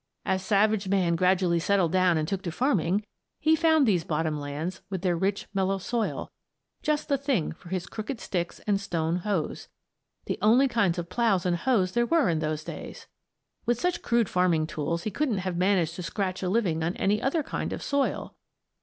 As savage man gradually settled down and took to farming, he found these bottom lands, with their rich, mellow soil, just the thing for his crooked sticks and stone hoes the only kinds of ploughs and hoes there were in those days. With such crude farming tools he couldn't have managed to scratch a living on any other kind of soil.